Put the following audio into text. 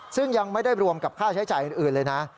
ซึ่งยังไม่ได้รวมกับค่าใช้จ่ายอื่นเลยนะ